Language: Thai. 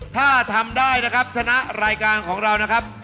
ถ้าทำได้นะครับชนะรายการของเรานะครับ